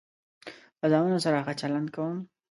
له زامنو سره ښه چلند کوم.